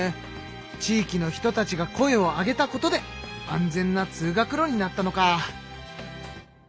地域の人たちが声を上げたことで安全な通学路になったのか。